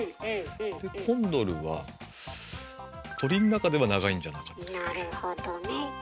でコンドルは鳥の中では長いんじゃなかったですっけ。